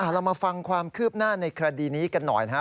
เรามาฟังความคืบหน้าในคดีนี้กันหน่อยนะครับ